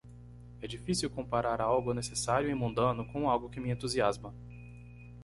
É difícil comparar algo necessário e mundano com algo que me entusiasma.